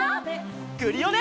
クリオネ！